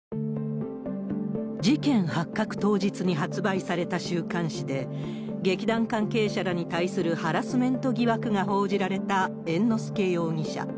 事件発覚当日に発売された週刊誌で、劇団関係者らに対するハラスメント疑惑が報じられた猿之助容疑者。